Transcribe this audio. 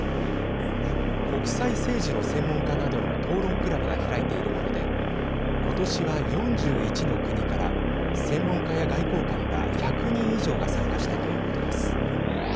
国際政治の専門家などの討論クラブが開いているもので今年は４１の国から専門家や外交官ら１００人以上が参加したということです。